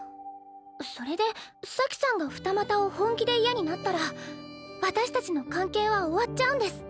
それで咲さんが二股を本気で嫌になったら私たちの関係は終わっちゃうんです。